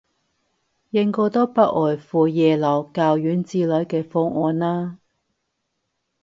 應該都不外乎耶魯、教院之類嘅方案啦